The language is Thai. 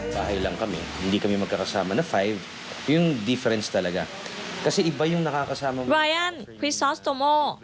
บรายันพริซอสโตโม